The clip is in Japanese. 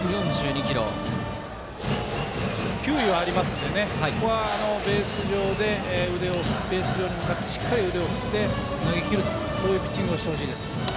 球威はあるのでここはベース上でしっかり腕を振って投げきるというピッチングをしてほしいです。